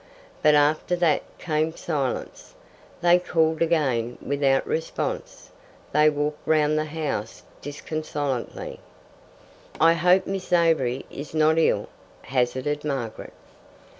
But after that came silence. They called again without response. They walked round the house disconsolately. "I hope Miss Avery is not ill," hazarded Margaret.